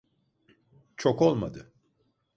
Çok olmadı.